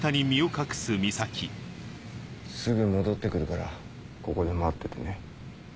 すぐ戻って来るからここで待っててね。